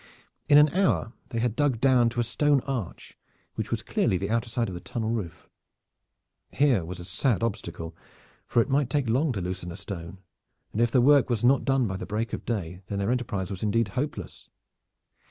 In an hour they had dug down to a stone arch which was clearly the outer side of the tunnel roof. Here was a sad obstacle, for it might take long to loosen a stone, and if their work was not done by the break of day then their enterprise was indeed hopeless.